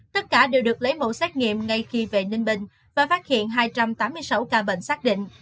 tất cả đều được lấy mẫu xét nghiệm ngay khi về ninh bình và phát hiện hai trăm tám mươi sáu ca bệnh xác định